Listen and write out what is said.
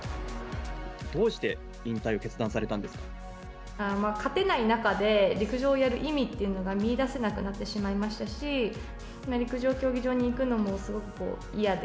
どうして引退を決断されたん勝てない中で、陸上をやる意味っていうのが見いだせなくなってしまいましたし、陸上競技場に行くのもすごく嫌で。